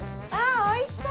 おいしそう！